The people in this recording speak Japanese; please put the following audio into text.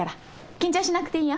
緊張しなくていいよ。